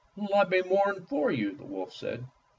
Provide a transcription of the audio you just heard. "Let me mourn for you," the wolf said.